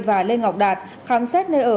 và lê ngọc đạt khám xét nơi ở